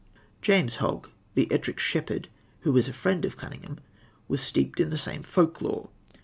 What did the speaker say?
James Hogg, the Ettrick shepherd, who was a friend of Cunningham, was steeped in the same folk lore.